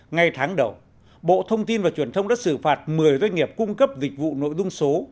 ngay tháng đầu bộ thông tin và truyền thông đã xử phạt một mươi doanh nghiệp cung cấp dịch vụ nội dung số